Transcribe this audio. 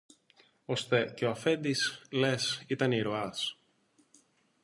Ώστε και ο αφέντης, λες, ήταν ήρωας;